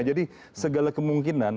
jadi segala kemungkinan